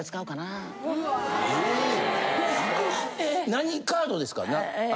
・何カードですか。